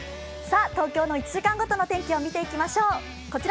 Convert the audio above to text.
東京の１時間ごとの天気を見ていきましょう。